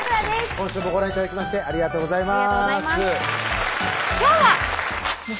今週もご覧頂きましてありがとうございます